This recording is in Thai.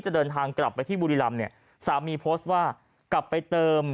จะเดินทางกลับไปที่บุรีรำเนี่ยสามีโพสต์ว่ากลับไปเติม